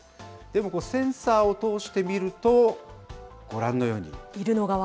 でもセンサーを通して見ると、ご覧のように。